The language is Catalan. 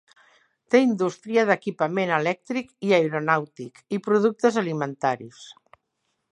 Té indústria d'equipament elèctric i aeronàutic i productes alimentaris.